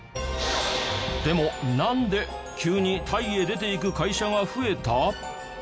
でもなんで急にタイへ出ていく会社が増えた？